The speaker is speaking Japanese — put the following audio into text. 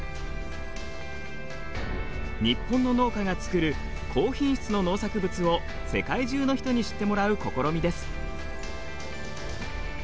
日本の農家が作る高品質の農作物を世界中の人に知ってもらう試みです。